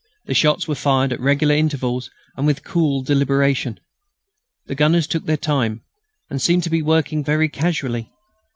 The shots were fired at regular intervals and with cool deliberation. The gunners took their time, and seemed to be working very casually.